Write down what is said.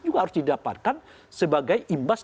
juga harus didapatkan sebagai imbas